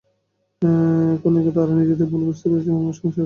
এখন তারা নিজেরা ভুল বুঝতে পেরেছে এবং আবার সংসার করতে চায়।